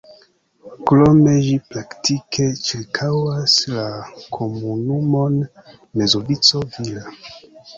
Krome ĝi praktike ĉirkaŭas la komunumon Mezzovico-Vira.